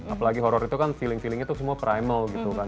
apalagi horror itu kan feeling feelingnya itu semua prima gitu kan